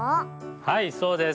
はいそうです。